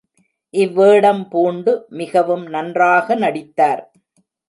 இவ்வேடம் பூண்டு மிகவும் நன்றாக நடித்தார்.